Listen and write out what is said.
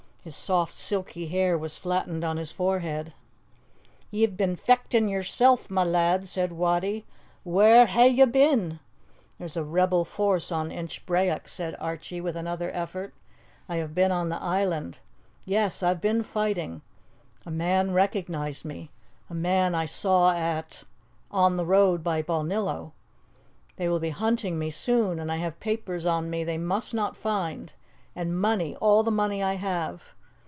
His soft, silky hair was flattened on his forehead. "Ye've been fechtin' yersel', ma lad," said Wattie. "Whaur hae ye been?" "There's a rebel force on Inchbrayock," said Archie, with another effort; "I have been on the island. Yes, I've been fighting. A man recognized me a man I saw at on the road by Balnillo. They will be hunting me soon, and I have papers on me they must not find, and money all the money I have.